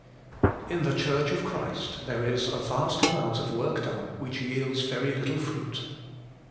In the Church of Christ there is a vast amount of work done which yields very little fruit.